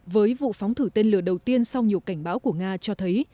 với vụ phóng thử tên lửa đầu tiên sau nhiều cảnh báo của nga cho thấy